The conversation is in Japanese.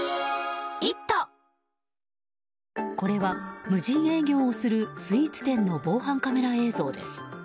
これは、無人営業をするスイーツ店の防犯カメラ映像です。